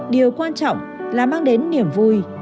điều quan trọng là mang đến niềm vui